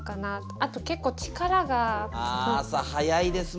あと結構力が。あ朝早いですもんね